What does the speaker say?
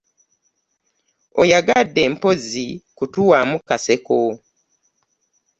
Oyagadde mpozzi kutuwaamu kaseko.